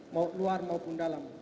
mau keluar maupun dalam